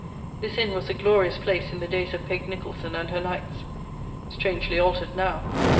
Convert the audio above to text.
This inn was a glorious place in the days of Peg Nicholson and her Knights. Strangely altered now.